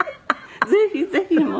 ぜひぜひもう。